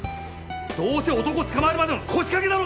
どうせ男を捕まえるまでの腰掛けだろうが！